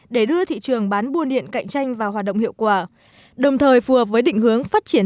để đưa thị trường bán buôn điện cạnh tranh vào hoạt động hiệu quả đồng thời phù hợp với định hướng phát triển